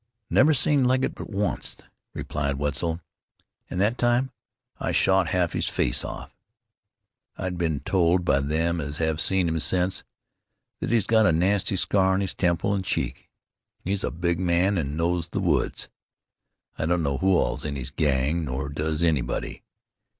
"Never seen Legget but onct," replied Wetzel, "an' that time I shot half his face off. I've been told by them as have seen him since, that he's got a nasty scar on his temple an' cheek. He's a big man an' knows the woods. I don't know who all's in his gang, nor does anybody.